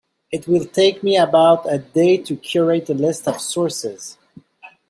It will take me about a day to curate a list of sources.